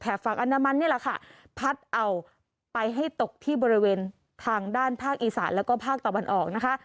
เอาไปให้ตกที่บริเวณทางด้านภาคอีสานแล้วก็ภาคตะวันออกนะคะ